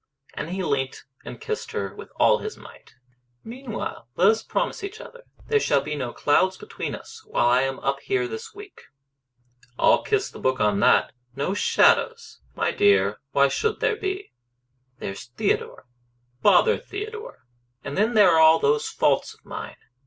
And he leant and kissed her with all his might. "Meanwhile let us promise each other there shall be no clouds between us while I am up here this week!" "I'll kiss the Book on that." "No shadows!" "My dear child, why should there be?" "There's Theodore " "Bother Theodore!" "And then there are all those faults of mine."